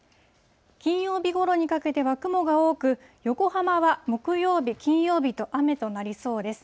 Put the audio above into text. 金曜日ごろにかけては雲が多く、横浜は木曜日、金曜日と雨となりそうです。